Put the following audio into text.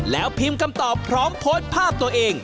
แล้วพิมพ์คำตอบพร้อมโพสต์ภาพตัวเอง